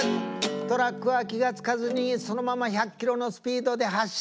「トラックは気が付かずにそのまま１００キロのスピードで走った」